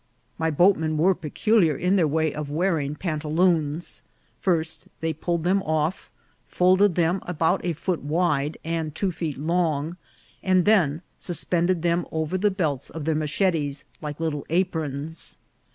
My boatmen were peculiar in their way of wearing pantaloons. First they pulled them off, folded them about a foot wide and two feet long, and then suspended them over the belts of their machetes like little aprons.